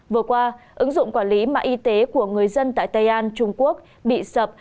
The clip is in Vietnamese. vừa qua ứng dụng quản lý mạng y tế của người dân tại tây an trung quốc bị sập